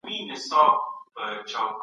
دا څارنه ورته یو ډول خوښي ورکوله.